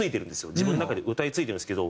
自分の中で歌い継いでるんですけど。